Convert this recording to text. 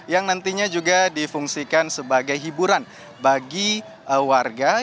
yang nantinya juga difungsikan sebagai hiburan bagi warga